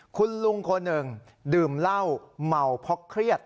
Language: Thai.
คุณลุงคนหนึ่งดื่มเหล้าเมาเพราะเครียด